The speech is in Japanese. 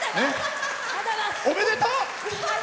おめでとう！